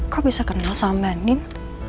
kok bisa kenal sama andin